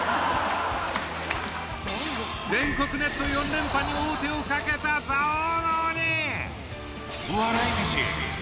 全国ネット４連覇に王手をかけた「座王」の鬼。